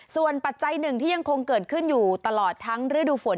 ส่วนปัจจัยหนึ่งที่ยังคงเกิดขึ้นอยู่ตลอดทั้งฤดูฝน